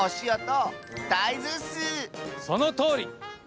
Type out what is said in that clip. そのとおり！